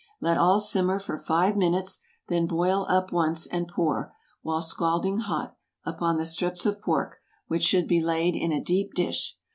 Let all simmer for five minutes, then boil up once, and pour, while scalding hot, upon the strips of pork, which should be laid in a deep dish.